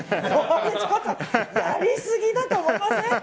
ちょっとやりすぎだと思いません？